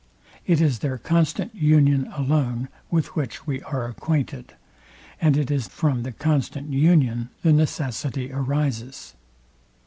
It is their constant union alone, with which we are acquainted; and it is from the constant union the necessity arises.